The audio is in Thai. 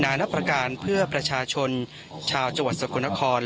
นับประการเพื่อประชาชนชาวจังหวัดสกลนคร